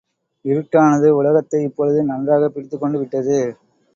இருட்டானது உலகத்தை இப்பொழுது நன்றாகப் பிடித்துக்கொண்டு விட்டது.